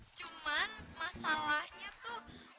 cuman masalahnya tuh